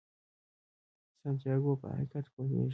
سانتیاګو په حقیقت پوهیږي.